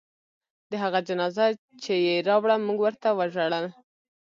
د هغه جنازه چې يې راوړه موږ ورته ژړل.